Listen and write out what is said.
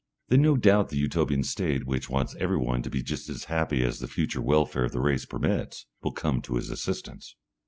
Then no doubt the Utopian State, which wants everyone to be just as happy as the future welfare of the race permits, will come to his assistance.